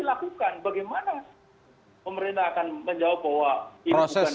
itu memang tidak dilakukan bagaimana pemerintah akan menjawab bahwa ini bukan